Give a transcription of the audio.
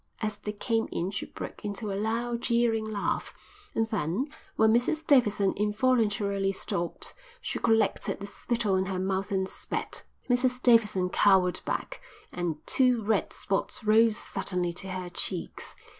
As they came in she broke into a loud, jeering laugh; and then, when Mrs Davidson involuntarily stopped, she collected the spittle in her mouth and spat. Mrs Davidson cowered back, and two red spots rose suddenly to her cheeks.